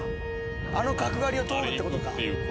あの角刈りを通るってことか。